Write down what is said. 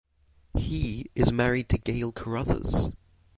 He is married to Gail Carruthers.